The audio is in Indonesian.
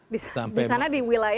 di sana di wilayah